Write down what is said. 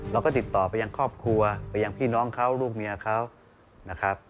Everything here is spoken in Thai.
เราก็ติดต่อไปยังครอบครัวไปยังพี่น้องเขาลูกเมียเขานะครับ